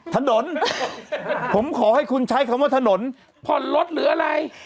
ถนนผมขอให้คุณใช้คำว่าถนนผ่อนรถหรืออะไร